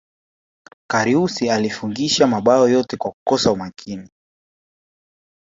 karius alifungisha mabao yote kwa kukosa umakini